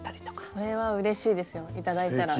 これはうれしいですよ頂いたら。